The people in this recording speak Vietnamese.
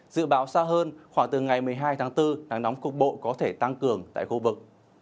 dự báo xa hơn khoảng từ ngày một mươi hai tháng bốn nắng nóng cục bộ có thể tăng cường tại khu vực